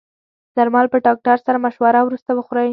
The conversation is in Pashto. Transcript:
درمل په ډاکټر سره مشوره وروسته وخورئ.